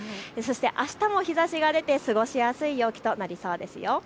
あしたも日ざしが出て、過ごしやすい陽気となりそうですよ。